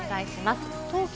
東京・